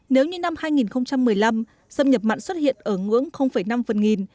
nếu như năm hai nghìn một mươi năm xâm nhập mặn xuất hiện ở ngưỡng năm phần nghìn